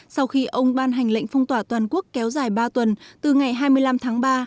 sau khi ông ban hành lệnh phong tỏa toàn quốc kéo dài ba tuần từ ngày hai mươi năm tháng ba